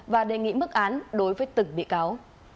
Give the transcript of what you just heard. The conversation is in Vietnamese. và đề nghị mức án đối với từng bị cáo